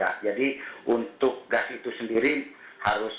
dan kalau suhu panas tertentu pun juga gas itu sendiri kan bisa terjadi